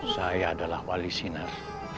saya adalah wali sinar